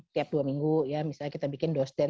setiap dua minggu misalnya kita bikin dosden